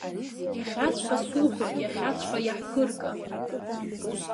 Иахьаҵәҟьа, суҳәоит, иахьаҵәҟьа иаҳԥырга.